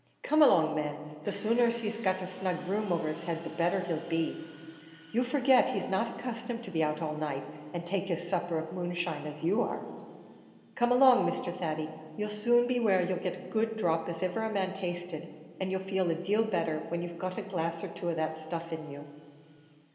Come along, man; the sooner he's got a snug room over his head the better he'll be. You forget he's not accustomed to be out all night, and take his supper of moonshine, as you are. Come along, Mr. Thady; you'll soon be where you'll get as good a dhrop as iver man tasted, an' you'll feel a deal better when you've got a glass or two of that stuff in you."